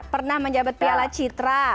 pernah menjabat piala citra